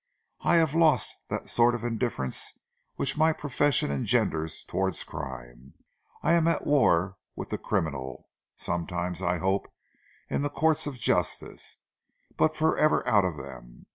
I have lost that sort of indifference which my profession engenders towards crime. I am at war with the criminal, sometimes, I hope, in the Courts of Justice, but forever out of them.